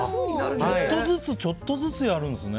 ちょっとずつちょっとずつやるんですね。